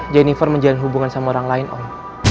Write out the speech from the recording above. jennifer menjalin hubungan sama orang lain om